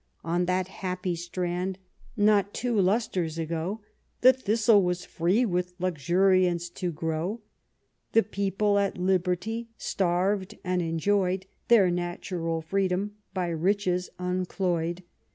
On that happy strand, not two lustres ago, The thistle was free with luxuriance to grow ; The people at liberty starved, and enjoyed Their natural freedom, by riches uncloy'd.